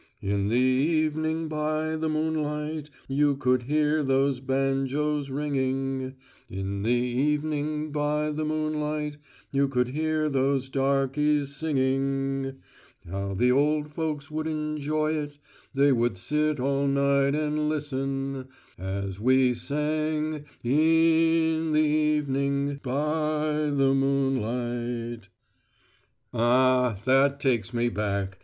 "In the evening, by the moonlight, you could hear those banjos ringing; In the evening, by the moonlight, you could hear those darkies singing. How the ole folks would injoy it; they would sit all night an' lis sun, As we sang I I N the evening BY Y Y the moonlight.' "Ah, that takes me back!"